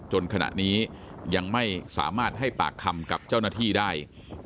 ขณะนี้ยังไม่สามารถให้ปากคำกับเจ้าหน้าที่ได้